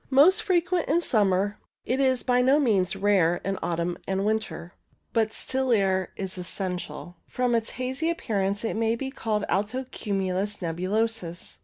Most frequent in summer, it is by no means rare in autumn and winter, but still air is essential. From its hazy appearance it may be called alto cumulus nebulosus.